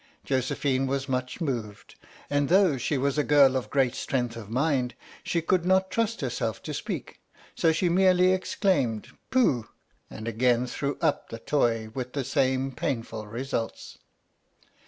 Josephine was much moved, and though she was a girl of great strength of mind she would not trust herself to speak. So she merely exclaimed " Pooh!" and again threw up the toy, with the same painful results.